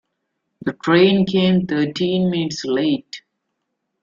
The train came thirteen minutes late.